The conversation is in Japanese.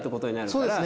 そうですね。